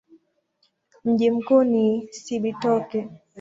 Mji mkuu ni Cibitoke.